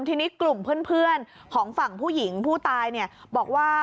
ทีนี้กลุ่มเพื่อนของฝั่งผู้หญิงผู้ตายบอกว่า